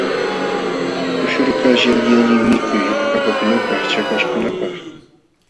Kushurukaqshi alli allin mikuy akapakunapaq chakwaśhkunapaq.